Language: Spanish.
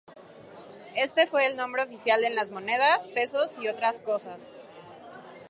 Este fue el nombre oficial en las monedas, pesos y otras cosas.